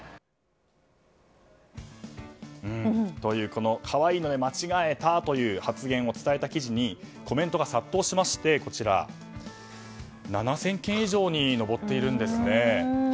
この、可愛いので間違えたという発言を伝えた記事にコメントが殺到しまして７０００件以上に上っているんですね。